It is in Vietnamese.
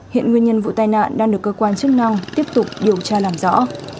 hiện nguyên nhân vụ tai nạn đang được cơ quan chức năng tiếp tục điều tra làm rõ